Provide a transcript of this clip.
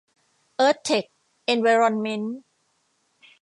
เอิร์ธ เท็ค เอนไวรอนเมนท์